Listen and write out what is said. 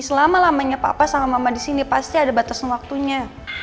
selama lamanya papa sama mama di sini pasti ada batas waktunya